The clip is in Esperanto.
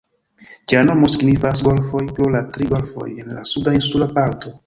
Ĝia nomo signifas "Golfoj", pro la tri golfoj en la suda insula parto.